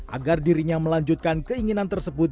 agar dirinya melanjutkan keinginan tersebut